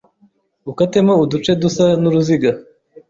ukatemo uduce dusa n’uruziga